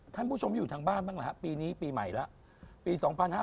ท่านผู้ชมอยู่ทางบ้านบ้างล่ะฮะปีนี้ปีใหม่แล้วปี๒๕๕๙